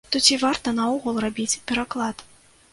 То ці варта наогул рабіць пераклад?